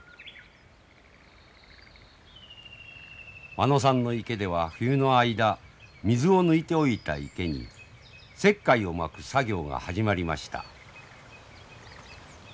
間野さんの池では冬の間水を抜いておいた池に石灰をまく作業が始まりました。